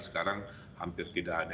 sekarang hampir tidak ada